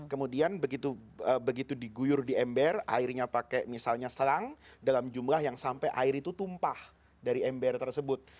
kemudian begitu diguyur di ember airnya pakai misalnya selang dalam jumlah yang sampai air itu tumpah dari ember tersebut